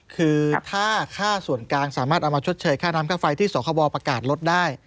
คือถ้าค่าส่วนกลางสามารถเอามาชดเชยค่าน้ำค่าไฟที่สคบประกาศลดได้